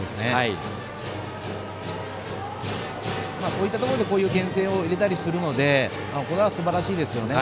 こういうところでけん制を入れたりするのでこれはすばらしいですよね。